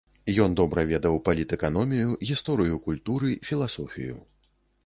Ён добра ведаў палітэканомію, гісторыю культуры, філасофію.